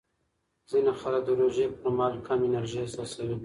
ځینې خلک د روژې پر مهال کم انرژي احساسوي.